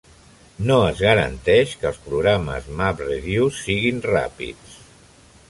No es garanteix que els programes MapReduce siguin ràpids.